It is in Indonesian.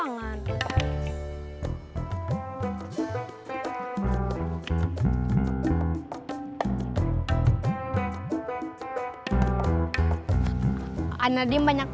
aku ngga hasta murid pilihan jujur